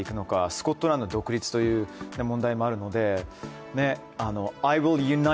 スコットランドの独立という問題もあるので。